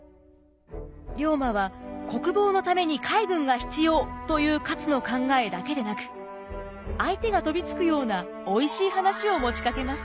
龍馬は「国防のために海軍が必要」という勝の考えだけでなく相手が飛びつくようなおいしい話を持ちかけます。